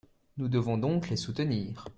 Nous devons donc les soutenir.